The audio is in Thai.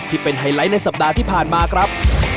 ไฮไลท์ในสัปดาห์ที่ผ่านมาครับ